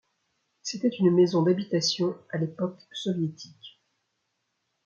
C'était une maison d'habitation à l'époque soviétique.